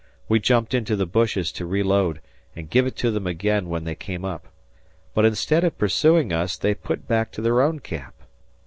We jumped into the bushes to reload and give it to them again when they came up, but instead of pursuing us they put back to their own camp.